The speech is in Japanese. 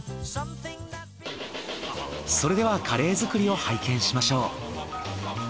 それではカレー作りを拝見しましょう。